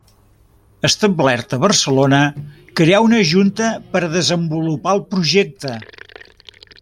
Establert a Barcelona, creà una junta per a desenvolupar el projecte.